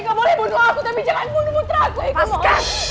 kau boleh bunuh aku tapi jangan bunuh putraku